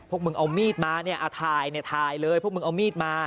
พวกมึงเอามีดมาเนี่ยเอาถ่ายเนี่ยถ่ายเลยพวกมึงเอามีดมา